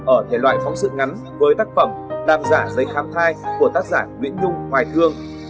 ở thể loại phóng sự ngắn với tác phẩm làm giả giấy khám thai của tác giả nguyễn nhung hoài thương